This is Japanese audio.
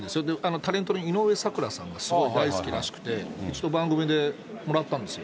タレントのいのうえさくらさんがすごい大好きらしくて、うちの番組でもらったんですよ。